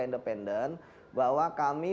independen bahwa kami